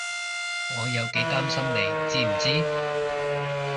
我有幾擔心你知唔知？